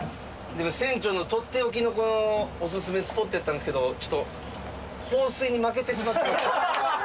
船長のとっておきのおすすめスポットやったんですけどちょっと放水に負けてしまってます。